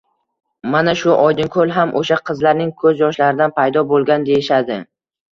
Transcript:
Mana shu Oydinkoʼl ham oʼsha qizlarning koʼz yoshlaridan paydo boʼlgan, deyishadi.